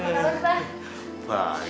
apa kabar mbak